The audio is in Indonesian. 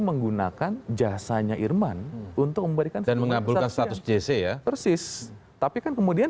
menggunakan jasanya irman untuk memberikan penghapusan status jc ya persis tapi kan kemudian